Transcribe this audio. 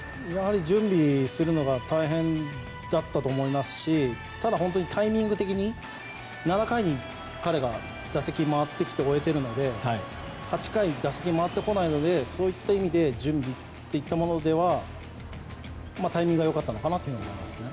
準備するのが大変だったと思いますしただタイミング的に７回に彼が打席に回ってきて終えているので８回に打席が回ってこないのでそういった意味で準備といったものではタイミングが良かったのかなと思いますね。